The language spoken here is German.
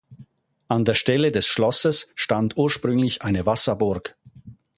An der Stelle des Schlosses stand ursprünglich eine Wasserburg.